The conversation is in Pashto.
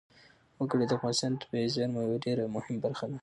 وګړي د افغانستان د طبیعي زیرمو یوه ډېره مهمه برخه ده.